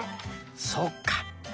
そっか。